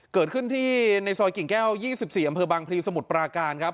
เกิดขึ้นที่ในซอยกิ่งแก้ว๒๔อำเภอบางพลีสมุทรปราการครับ